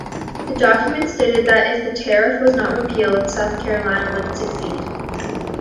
The document stated that if the tariff was not repealed, South Carolina would secede.